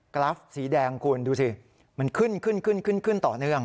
กราฟสีแดงคุณดูสิมันขึ้นขึ้นขึ้นขึ้นขึ้นต่อเนื่อง